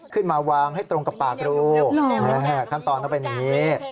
ขึ้นมาวางให้ตรงกับปากรูขั้นตอนต้องเป็นอย่างนี้